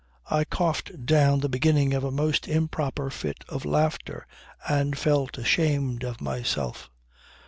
I coughed down the beginning of a most improper fit of laughter, and felt ashamed of myself.